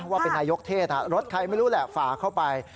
ว่าเป็นนายกเทศรถใครไม่รู้แหละฝ่าเข้าไป